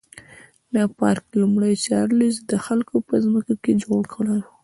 دا پارک لومړي چارلېز د خلکو په ځمکو کې جوړ کړی و.